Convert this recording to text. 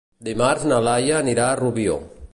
Dimarts na Laia anirà a Rubió.